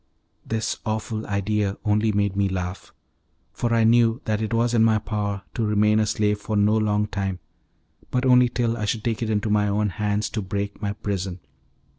This awful idea only made me laugh, for I knew that it was in my power to remain a slave for no long time, but only till I should take it into my own hands to break my prison.